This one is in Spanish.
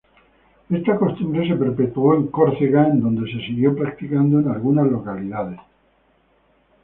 Esta costumbre se perpetuó en Córcega en donde se siguió practicando en algunas localidades.